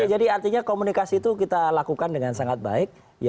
jadi artinya komunikasi itu kita lakukan dengan sangat baik